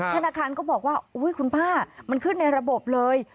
ธนาคารก็บอกว่าคุณป้ามันขึ้นในระบบเลย